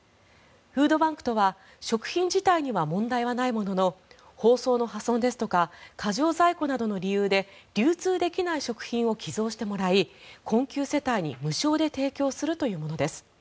フードバンクとは食品自体には問題ないものの包装の破損ですとか過剰在庫などの理由で流通できない食品を寄贈してもらい、困窮世帯に無償で提供するというものです。